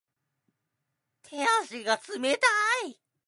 手足が冷たい